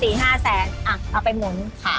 อีก๔๕แสนเอาไปหมุน